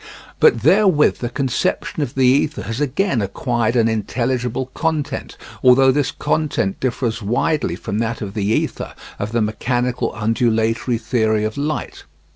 But therewith the conception of the ether has again acquired an intelligible content, although this content differs widely from that of the ether of the mechanical undulatory theory of light.